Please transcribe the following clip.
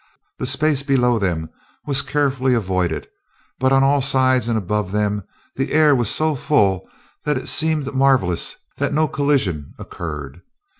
The space below them was carefully avoided, but on all sides and above them the air was so full that it seemed marvelous that no collision occurred.